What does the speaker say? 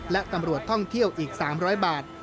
และตำรวจท่องเที่ยวอีก๓๐๐บาท